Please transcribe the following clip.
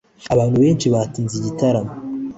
abantu benshi batinze igitaramo